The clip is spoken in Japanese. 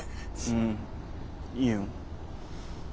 うんいいよ。